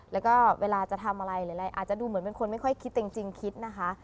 แล้วก็เวลาจะทำอะไรหลายอาจจะดูเหมือนเป็นคนไม่ค่อยคิดจริงคิดนะคะ